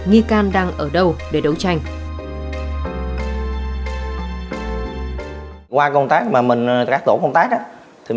nghi can đang ở đâu để đấu tranh